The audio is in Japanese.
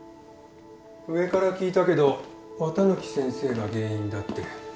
上から聞いたけど綿貫先生が原因だって。